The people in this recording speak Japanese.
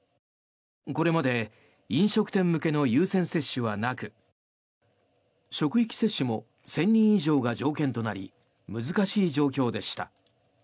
これまで飲食店向けの優先接種はなく職域接種も１０００人以上が条件となり難しい状況でした。